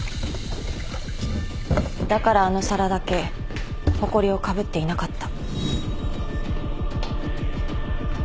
だからあの皿だけほこりをかぶっていなかった。